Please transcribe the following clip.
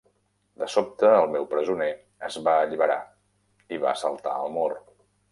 De sobte el meu presoner es va alliberar i va saltar el mur.